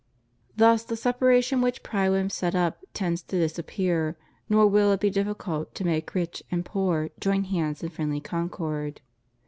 Thus the separation which pride would set up tends to disappear, nor will it be difficult to make rich and poor join hands in friendly concord.